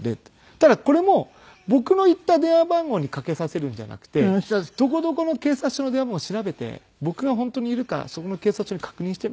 ただこれも僕の言った電話番号にかけさせるんじゃなくてどこどこの警察署の電話番号調べて僕が本当にいるか。